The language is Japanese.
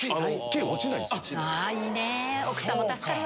いいね奥さま助かるわ。